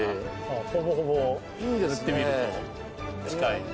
ほぼほぼ塗ってみると近い色。